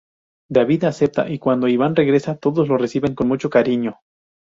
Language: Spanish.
David acepta, y cuando Iván regresa todos lo reciben con mucho cariño.